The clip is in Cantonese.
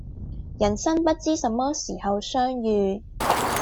人生不知什麼時候相遇